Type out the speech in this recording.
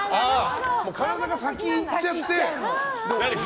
体が先に行っちゃってね。